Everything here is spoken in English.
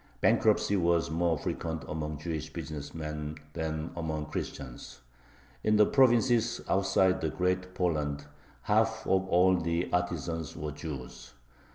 Bankruptcy was more frequent among Jewish business men than among Christians. In the provinces outside of Great Poland half of all the artisans were Jews.